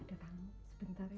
ada tamu sebentar ya